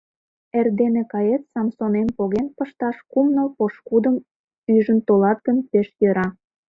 — Эрдене кает, Самсонем поген пышташ кум-ныл пошкудым ӱжын толат гын, пеш йӧра.